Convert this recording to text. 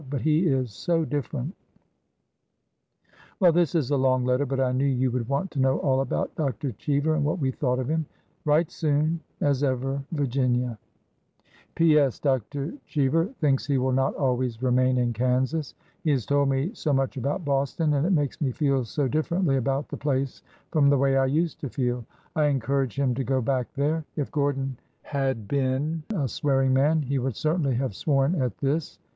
But he is so different 1 Well, this is a long letter, but I knew you would want to know all about Dr. Cheever, and what we thought of him. Write soon. As ever. '' Virginia. A PEN AND INK SKETCH 121 P. S. Dr. Cheever thinks he will not always remain in Kansas. He has told me so much about Boston, and it makes me feel so differently about the place from the way I used to feel. I encourage him to go back there. [If Gordon had been a swearing man, he would certainly have sworn at this.